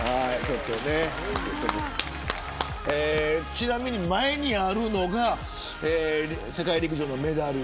ちなみに前にあるのが世界陸上のメダル。